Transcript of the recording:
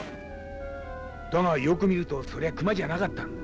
だがよく見るとそれは熊じゃなかった。